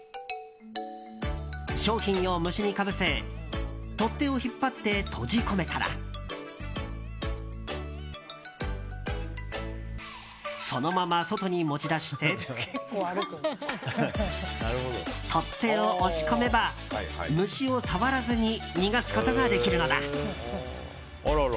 商品を無視にかぶせ取っ手を引っ張って閉じ込めたらそのまま外に持ち出して取っ手を押し込めば虫を触らずにあらら。